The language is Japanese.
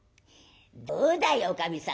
どうだいおかみさん。